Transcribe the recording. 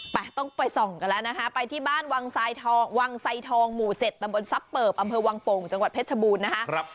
ไปต้องไปส่องกันแล้วนะคะไปที่บ้านวังไซทองหมู่๗ตำบลทรัพย์เปิบอำเภอวังโป่งจังหวัดเพชรชบูรณ์นะคะ